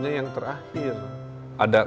yang terakhir ada